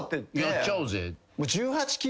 やっちゃおうぜ。